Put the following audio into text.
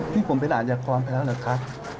นี่ผมเป็นอาจยากรแพ้แล้วหรือคะ